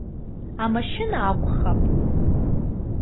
Амашьына акәхап!